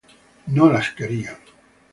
No las querían.